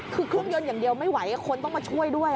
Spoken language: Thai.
คือเครื่องยนต์อย่างเดียวไม่ไหวคนต้องมาช่วยด้วย